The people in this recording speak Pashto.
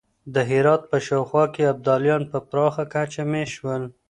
د هرات په شاوخوا کې ابدالیان په پراخه کچه مېشت شول.